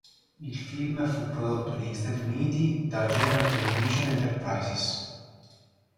Il film fu prodotto negli Stati Uniti da General Television Enterprises.